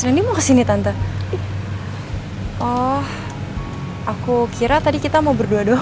nggak habis pikir tuh orang